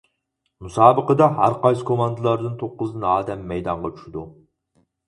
مۇسابىقىدە ھەرقايسى كوماندىلاردىن توققۇزدىن ئادەم مەيدانغا چۈشىدۇ.